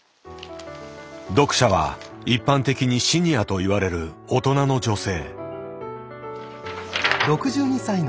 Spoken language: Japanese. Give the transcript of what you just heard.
読者は一般的にシニアといわれる大人の女性。